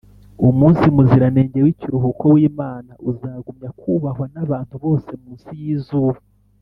umunsi muziranenge w’ikiruhuko w’imana uzagumya kubahwa n’abantu bose munsi y’izuba